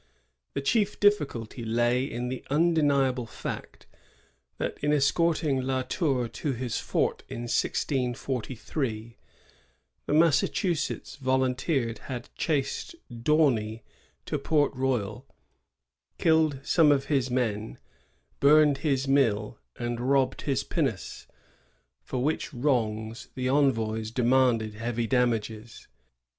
The chief difficulty lay in the undeniable fact, that, in escorting La Tour to his fort in 1643, the Massachusetts volunteers had chased D'Aunay to Port Royal, killed some of his men, burned his mill, and robbed his pinnace, for which wrongs the envoys demanded heavy damages.